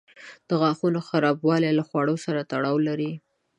د غاښونو خرابوالی له خواړو سره تړاو لري.